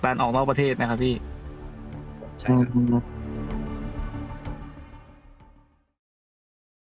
สุดท้ายก็ไม่มีทางเลือกที่ไม่มีทางเลือก